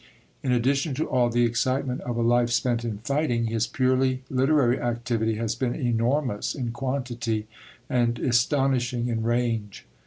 In addition to all the excitement of a life spent in fighting, his purely literary activity has been enormous in quantity and astonishing in range.